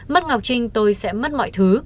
mất ngọc trinh tôi sẽ mất mọi thứ